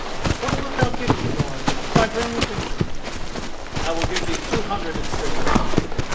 "What wilt thou give me, lord, if I bring thee victory?" "I will give thee two hundred in silver."